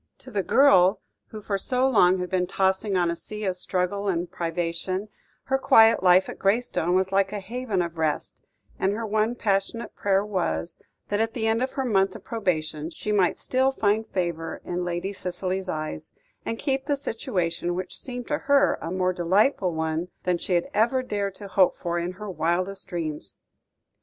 To the girl who for so long had been tossing on a sea of struggle and privation, her quiet life at Graystone was like a haven of rest; and her one passionate prayer was, that at the end of her month of probation, she might still find favour in Lady Cicely's eyes, and keep the situation which seemed to her a more delightful one than she had ever dared to hope for in her wildest dreams.